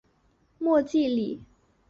莫济里。